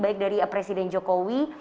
baik dari presiden jokowi